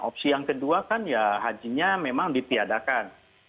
opsi yang kedua kan ya hajinya memang ditiadakan